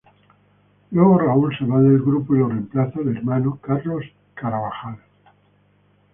Luego Raúl se va del grupo y lo reemplaza el hermano Carlos Carabajal.